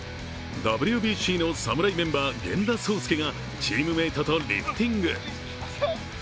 ＷＢＣの侍メンバー・源田壮亮がチームメイトとリフティング。